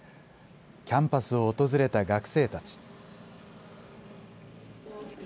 キャンパスを訪れた学生たち。